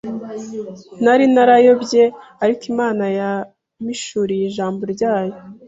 Nari narayobye, ariko Imana yampishuriye ijambo ryayo.